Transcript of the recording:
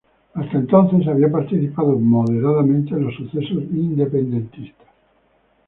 Hasta entonces, había participado moderadamente en los sucesos independentistas.